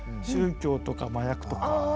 宗教とか麻薬とか。